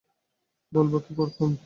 বলব কী করতুম?